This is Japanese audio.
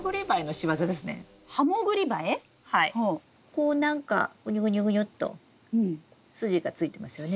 こう何かぐにゅぐにゅぐにゅっと筋がついてますよね。